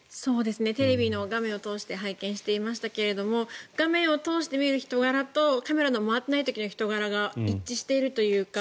テレビの画面を通して拝見していましたが画面を通して見る人柄とカメラの回ってない時の人柄が一致しているというか